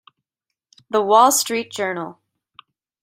"The Wall Street Journal".